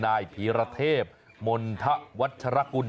นายพีรเทพมณฑวัชรกุล